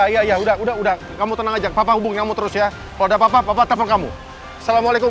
ya ya udah udah udah kamu tenang aja papa hubungi kamu terus ya udah papa papa telepon kamu assalamualaikum